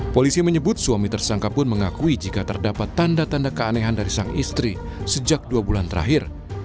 polisi menyebut suami tersangka pun mengakui jika terdapat tanda tanda keanehan dari sang istri sejak dua bulan terakhir